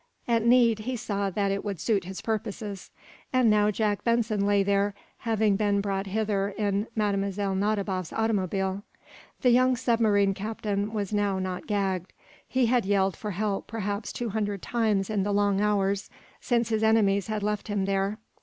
At need, he saw that it would suit his purposes. And now Jack Benson lay there, having been brought hither in Mlle. Nadiboff's automobile. The young submarine captain was now not gagged. He had yelled for help perhaps two hundred times in the long hours since his enemies had left him there.